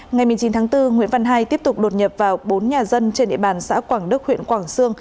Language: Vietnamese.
ngày một mươi chín tháng bốn nguyễn văn hai tiếp tục đột nhập vào bốn nhà dân trên địa bàn xã quảng đức huyện quảng sương